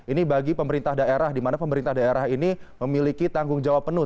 ini bagi pemerintah daerah di mana pemerintah daerah ini memiliki tanggung jawab penuh